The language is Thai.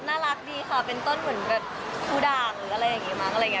น่ารักดีค่ะเป็นต้นเหมือนแบบฟูดางหรืออะไรอย่างนี้มั้ง